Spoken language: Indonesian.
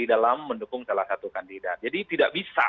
salah satu kandidat jadi tidak bisa